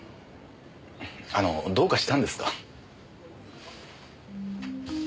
あのどうかしたんですか？